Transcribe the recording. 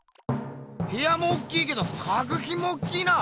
へやもおっきいけど作ひんもおっきいな。